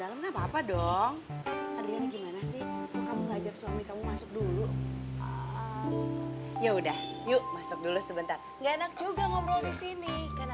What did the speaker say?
lagipula b ini kan juga rumah kamu kan